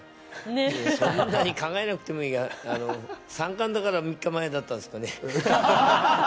そんなに考えなくても、三冠だから３日前だったんですかね？